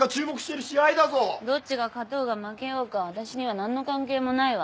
どっちが勝とうが負けようが私には何の関係もないわ。